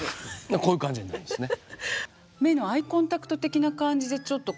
こういう感じになるんですね。